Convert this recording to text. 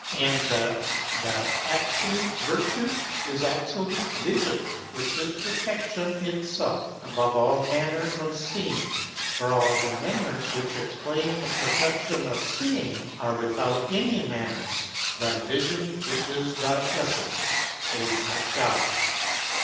and that thtKtfbmtf GU if that that abfolute vertnc is abfo lute vifion, which is perfc&ioo it felfe, above all manner of fee ing, for all the manners which exp ainc the perfection offceing if withont any manners, thy Vifion which is thy Eflence, O my God.